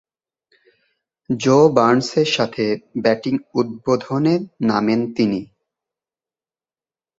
জো বার্নসের সাথে ব্যাটিং উদ্বোধনে নামেন তিনি।